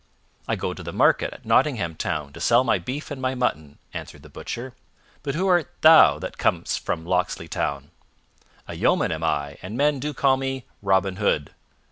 "I go to the market at Nottingham Town to sell my beef and my mutton," answered the Butcher. "But who art thou that comest from Locksley Town?" "A yeoman am I, and men do call me Robin Hood."